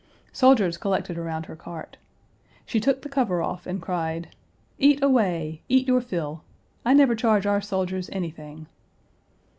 Soldiers collected around her cart. She took the cover off and cried, "Eat away. Eat your fill. I never charge our soldiers anything."